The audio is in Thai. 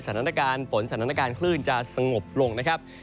สถานการณ์ฝนสถานการณ์คลื่นจะสงบลงนะครับ